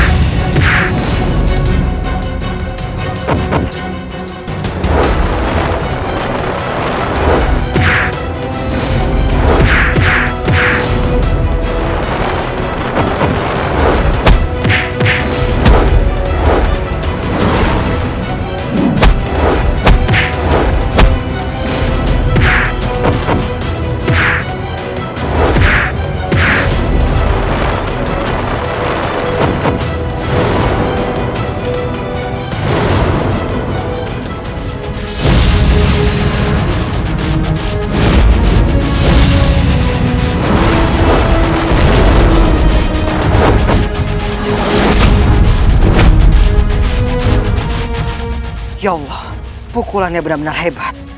ya allah pukulannya benar benar hebat